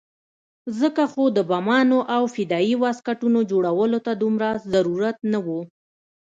ځکه خو د بمانو او فدايي واسکټونو جوړولو ته دومره ضرورت نه وو.